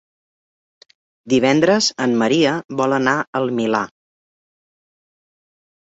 Divendres en Maria vol anar al Milà.